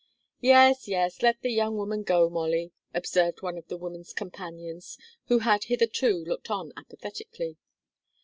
"Yes yes, let the young woman go, Molly," observed one of the woman's companions who had hitherto looked on apathetically.